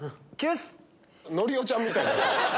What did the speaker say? のりおちゃんみたいになってる。